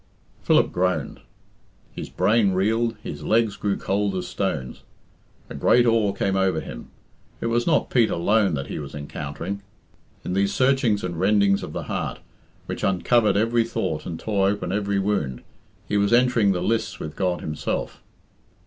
Philip groaned. His brain reeled; his legs grew cold as stones. A great awe came over him. It was not Pete alone that he was encountering. In these searchings and rendings of the heart, which uncovered every thought and tore open every wound, he was entering the lists with God himself.